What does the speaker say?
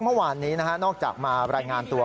เมื่อวานนี้นอกจากมารายงานตัว